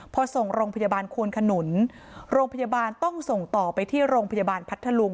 พอส่งโรงพยาบาลควนขนุนโรงพยาบาลต้องส่งต่อไปที่โรงพยาบาลพัทธลุง